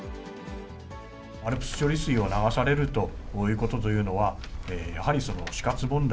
ＡＬＰＳ処理水を流されるということというのは、やはり死活問題。